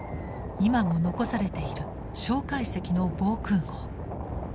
今も残されている介石の防空壕。